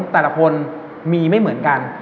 แต่ละคนมีไม่เหมือนกัน